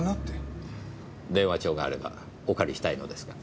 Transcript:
電話帳があればお借りしたいのですが。